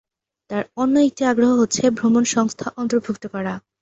তার অন্য একটি আগ্রহ হচ্ছে ভ্রমণ সংস্থা অন্তর্ভুক্ত করা।